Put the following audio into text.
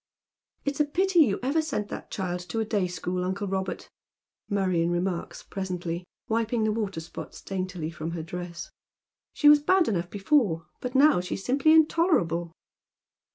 " It's a pity you ever sent that child to a day school, uncle llobert," Marion reniarlcs presently, wiping the waterspots daintily from her dress. " She was bad enough before, but now she is simply intolerable."